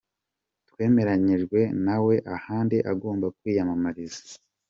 Twemeranyijwe na we ahandi agomba kwiyamamariza.